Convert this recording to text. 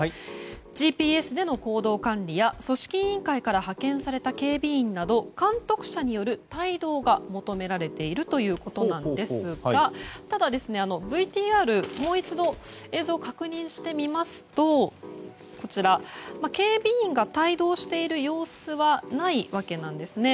ＧＰＳでの行動管理や組織委員会から派遣された警備員など監督者による帯同が求められているということなんですがただ、ＶＴＲもう一度映像を確認してみますと警備員が帯同している様子はないわけなんです。